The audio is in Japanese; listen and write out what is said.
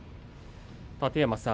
楯山さん